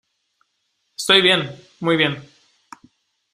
Estoy bien. Muy bien .